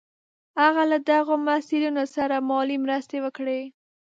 هغه له دغو محصلینو سره مالي مرستې وکړې.